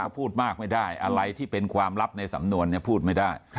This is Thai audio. พูดมากไม่ได้อะไรที่เป็นความลับในสำนวนพูดไม่ได้